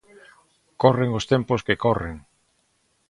Corren os tempos que corren.